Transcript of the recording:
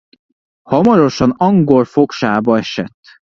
Hamarosan angol fogságba esett.